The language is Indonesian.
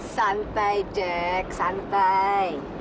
santai jack santai